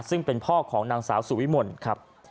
ซึ่งเป็นพ่อของนางสาวสุวิมลครับ